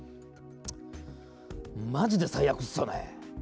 まじで最悪っすよね！